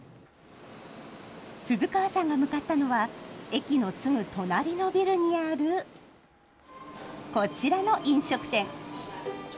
鈴川さんが向かったのは駅のすぐ隣のビルにあるこちらの飲食店。